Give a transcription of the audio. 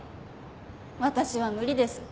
私は無理です。